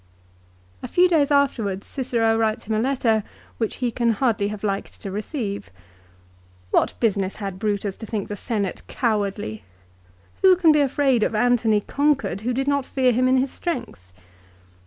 3 A few days afterwards Cicero writes him a letter which he can hardly have liked to receive. What business had Brutus to think the senate cowardly ? 4 Who can be afraid of Antony conquered who did not fear him in his strength